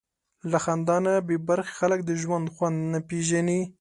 له خندا نه بېبرخې خلک د ژوند خوند نه پېژني.